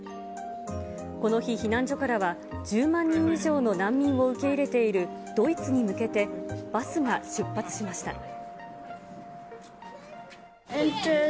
この日、避難所からは１０万人以上の難民を受け入れているドイツに向けて、バスが出発しました。